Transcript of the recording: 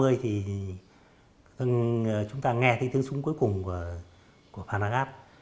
lúc khoảng độ năm h ba mươi thì chúng ta nghe tiếng súng cuối cùng của phan agap